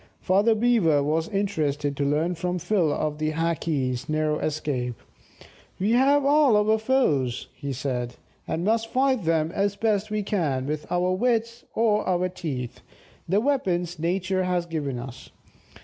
Father Beaver was interested to learn from Phil of the Hackees' narrow escape. "We have all our foes," he said, "and must fight them as best we can, with our wits or our teeth, the weapons Nature has given us.